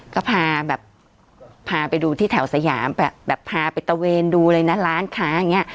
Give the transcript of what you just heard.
ก็พาแบบพาไปดูที่แถวสยามแบบพาไปตะเวนดูเลยนะร้านค้าอย่างนี้